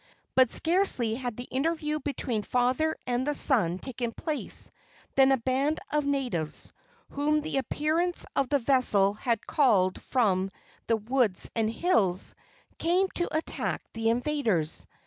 But scarcely had the interview between the father and the son taken place, than a band of natives, whom the appearance of the vessel had called from the woods and hills, came to attack the invaders.